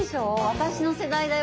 私の世代だよ。